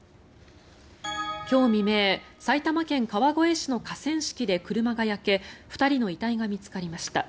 今日未明、埼玉県川越市の河川敷で車が焼け２人の遺体が見つかりました。